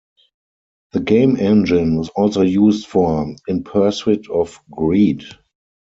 The game engine was also used for "In Pursuit of Greed".